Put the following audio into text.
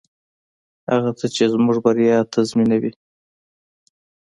هغه څه چې زموږ بریا تضمینوي.